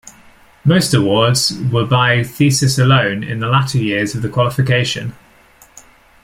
Most awards were by thesis alone in the latter years of the qualification.